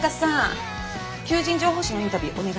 求人情報誌のインタビューお願いできない？